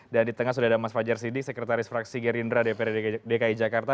dan di tengah sudah ada mas fajar siddiq sekretaris fraksi gerindra dprd dki jakarta